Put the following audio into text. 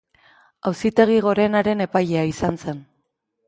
Auzitegi Gorenaren epailea izan zen.